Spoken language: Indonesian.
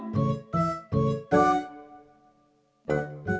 bahkan bingung sama si bakal c toda